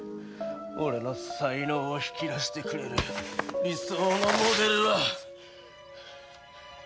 俺の才能を引き出してくれる理想のモデルは。